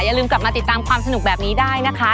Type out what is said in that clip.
อย่าลืมกลับมาติดตามความสนุกแบบนี้ได้นะคะ